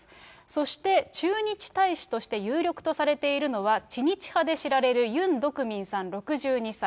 そして駐日大使として有力とされているのは、知日派で知られるユン・ドクミンさん６２歳。